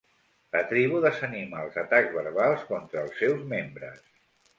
La tribu desanima els atacs verbals contra els seus membres.